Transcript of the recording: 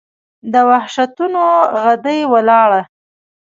د وحشتونو ، غدۍ وَلاړه